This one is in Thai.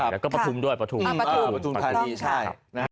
แล้วก็ประทุมด้วยประทุมทางนี้ใช่